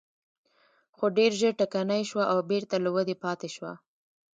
خو ډېر ژر ټکنۍ شوه او بېرته له ودې پاتې شوه.